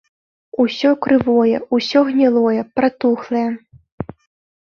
Усё крывое, усё гнілое, пратухлае.